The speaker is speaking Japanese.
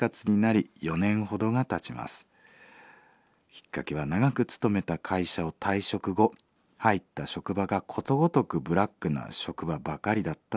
きっかけは長く勤めた会社を退職後入った職場がことごとくブラックな職場ばかりだったため。